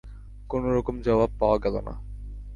কোনোরকম জবাব পাওয়া গেল না।